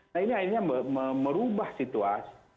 nah ini akhirnya merubah situasi